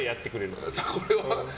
これは？